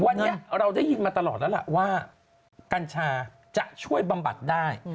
วันนี้เราได้ยินมาตลอดแล้วล่ะว่ากัญชาจะช่วยบำบัดได้